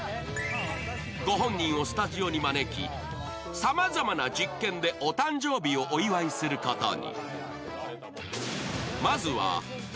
ご本人をスタジオに招き、さまざまな実験でお誕生日をお祝いすることに。